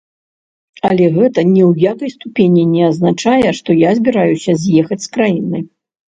Але гэта ні ў якой ступені не азначае, што я збіраюся з'ехаць з краіны.